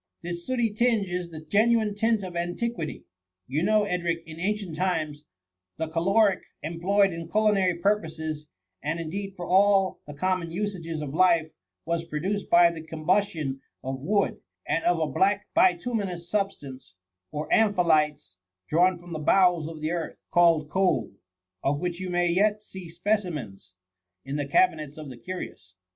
This sdbty tinge is the genuine tint of antiquity. You know, Edric, in ancient times, the caloric employed in culinary purposes, and indeed for all the conmion usages of life, was produced by the combustion of wood, and of a black bituminous substance, or amphilites, drawn from the bowels of the earth, called coal, of which you may yet see specimens in the cabinets of the curious.